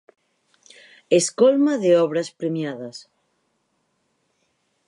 Escolma de obras premiadas.